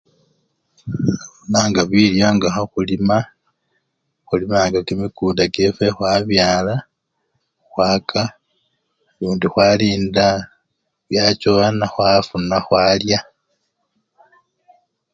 Khufunanga bilyo nga khekhulima, khulimanga kimikunda kyefwe khwabyala khwaka lundi khwalinda byachowa khwafuna nekhwalya.